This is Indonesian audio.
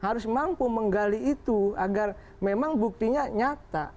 harus mampu menggali itu agar memang buktinya nyata